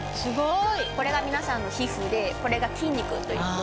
これが皆さんの皮膚でこれが筋肉と。